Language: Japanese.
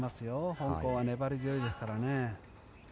香港は粘り強いですからね。